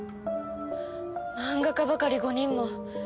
マンガ家ばかり５人も。